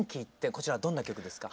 こちらどんな曲ですか？